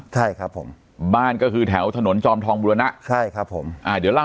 ใช่ครับผมบ้านก็คือแถวถนนจอมทองบุรณะใช่ครับผมอ่าเดี๋ยวเล่า